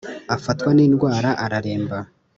afatwa n’indwara araremba